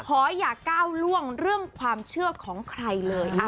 ขออย่าก้าวล่วงเรื่องความเชื่อของใครเลย